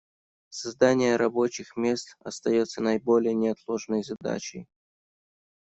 Создание рабочих мест остается наиболее неотложной задачей.